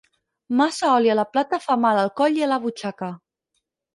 Massa oli a la plata fa mal al coll i a la butxaca.